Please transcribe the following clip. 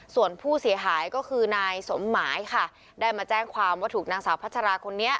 ส่วนผู้เสียหายก็คือนายสมหมายค่ะได้มาแจ้งความว่าถูกนางสาวพัชราคนนี้